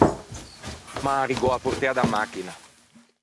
M’an arrigou a portea da machina!